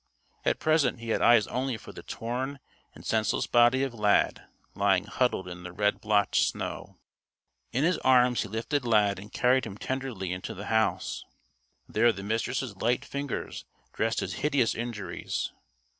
At present he had eyes only for the torn and senseless body of Lad lying huddled in the red blotched snow. In his arms he lifted Lad and carried him tenderly into the house. There the Mistress' light fingers dressed his hideous injuries.